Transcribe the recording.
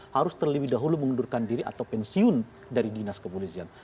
harus terlebih dahulu mengundurkan diri atau pensiun dari dinas kepolisian